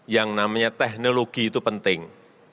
yang namanya teknologi itu penting